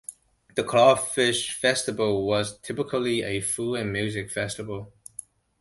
The Crawfish Festival was typically a food and music festival.